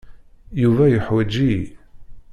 Yuba yeḥwaǧ-iyi.